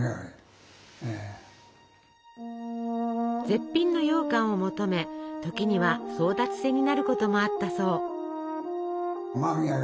絶品のようかんを求め時には争奪戦になることもあったそう。